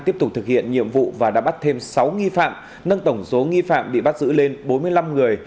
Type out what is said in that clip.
tiếp tục thực hiện nhiệm vụ và đã bắt thêm sáu nghi phạm nâng tổng số nghi phạm bị bắt giữ lên bốn mươi năm người